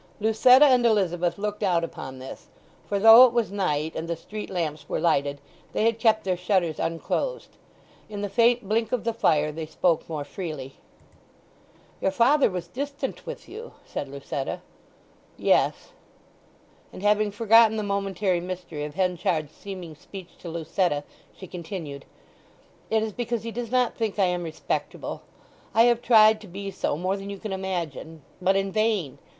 Lucetta and Elizabeth looked out upon this, for though it was night and the street lamps were lighted, they had kept their shutters unclosed. In the faint blink of the fire they spoke more freely. "Your father was distant with you," said Lucetta. "Yes." And having forgotten the momentary mystery of Henchard's seeming speech to Lucetta she continued, "It is because he does not think I am respectable. I have tried to be so more than you can imagine, but in vain!